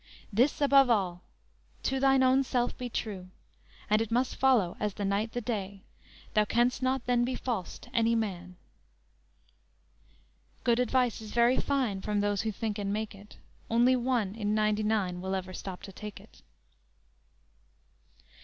This above all; to thine own self be true, And it must follow, as the night the day, Thou canst not then be false to any man!"_ _Good advice is very fine, From those who think and make it; Only one in ninety nine Will ever stop to take it!